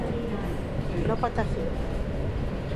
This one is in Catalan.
No petar fi.